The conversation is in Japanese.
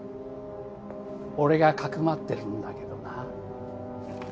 俺が匿ってるんだけどな。